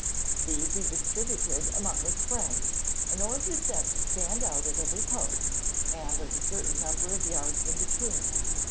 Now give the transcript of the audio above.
These he distributed among his friends, and ordered them to stand out at every post, and at a certain number of yards in between.